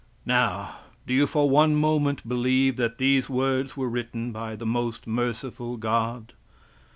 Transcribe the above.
Now, do you for one moment believe that these words were written by the most merciful God?